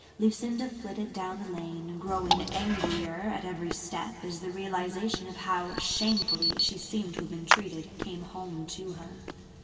Lucinda flitted down the lane, growing angrier at every step as the realization of how shamefully she seemed to have been treated came home to her.